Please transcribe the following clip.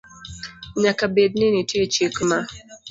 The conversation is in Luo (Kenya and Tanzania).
Nyaka bed ni nitie chik ma